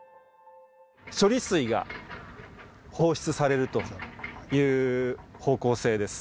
処理水が放出されるという方向性です。